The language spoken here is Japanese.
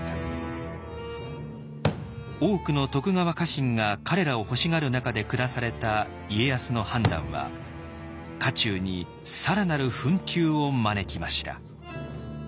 多くの徳川家臣が彼らを欲しがる中で下された家康の判断は家中に更なる紛糾を招きました。